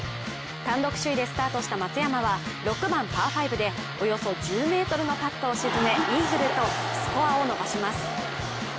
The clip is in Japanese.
単独首位でスタートした松山は６番パー５でおよそ１０ｍのパットを沈めイーグルとスコアを伸ばします。